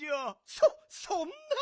そっそんな！